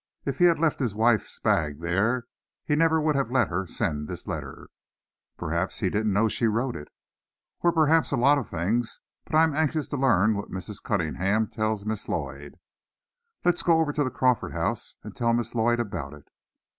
If he had left his wife's bag there, he never would have let her send this letter." "Perhaps he didn't know she wrote it." "Oh, perhaps lots of things! But I am anxious to learn what Mrs. Cunningham tells Miss Lloyd." "Let us go over to the Crawford house, and tell Miss Lloyd about it."